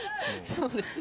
そうですね。